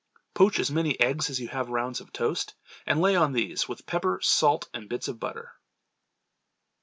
Poach as many eggs as you have rounds of toast, and lay on these, with pepper, salt and bits of butter.